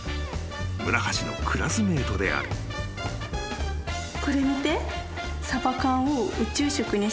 ［村橋のクラスメートである］えっ？